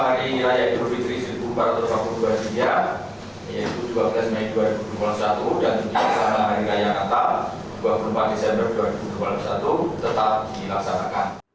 saya ibu fitri empat belas empat ratus dua puluh tiga dua belas mei dua ribu dua puluh satu dan tujuh hari raya natal dua puluh empat desember dua ribu dua puluh satu tetap dilaksanakan